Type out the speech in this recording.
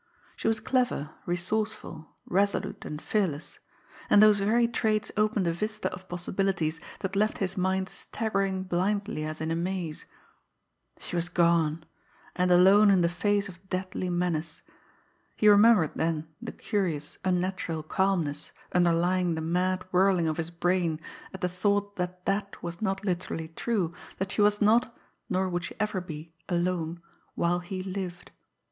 She was clever, resourceful, resolute and fearless and those very traits opened a vista of possibilities that left his mind staggering blindly as in a maze. She was gone and alone in the face of deadly menace. He remembered then the curious, unnatural calmness underlying the mad whirling of his brain at the thought that that was not literally true, that she was not, nor would she ever be alone while he lived.